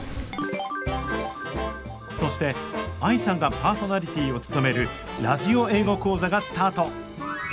そしてＡＩさんがパーソナリティーを務める「ラジオ英語講座」がスタート。